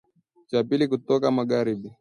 cha pili kutoka magharibi